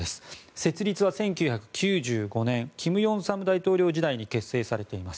設立は１９９５年金泳三大統領時代に結成されています。